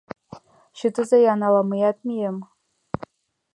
Чытыза-ян, але мыят мием.